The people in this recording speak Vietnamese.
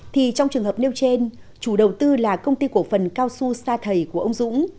thì trong trường hợp nêu trên chủ đầu tư là công ty cổ phần cao xu sa thầy của ông dũng